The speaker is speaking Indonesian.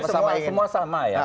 saya pikir semua sama ya